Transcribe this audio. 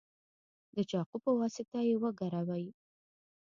د چاقو په واسطه یې وګروئ.